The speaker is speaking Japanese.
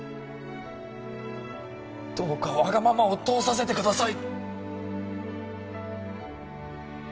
どうかわがままを通させてください